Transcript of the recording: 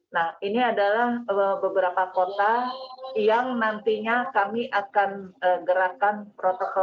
nah ini adalah beberapa kota yang nantinya kami akan gerakan protokol